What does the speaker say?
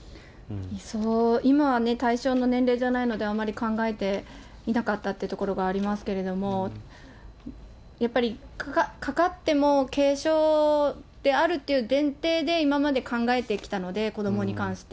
今は対象の年齢じゃないので、あまり考えていなかったというところがありますけれども、やっぱり、かかっても軽症であるという前提で今まで考えてきたので、子どもに関して。